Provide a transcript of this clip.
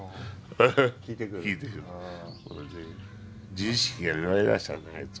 自意識が芽生えだしたんだねあいつ。